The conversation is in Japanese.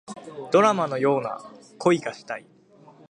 ドラマのような恋がしたい